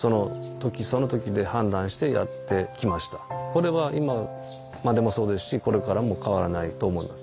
これは今までもそうですしこれからも変わらないと思います。